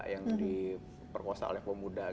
yang diperkosa oleh pemuda